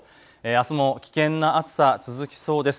あすも危険な暑さ、続きそうです。